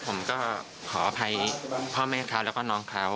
ผมก็ขออภัยพ่อแม่เขาแล้วก็น้องเขา